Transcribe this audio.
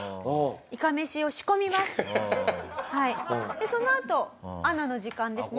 でそのあとアナの時間ですね。